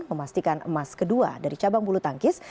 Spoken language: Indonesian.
memastikan emas kedua dari cabang bulu tangkis